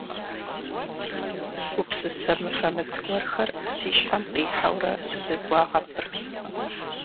Гупсысэ мыфэмыц гуэрхэр си щхьэм къихьэурэ сызэгуагъэпырт.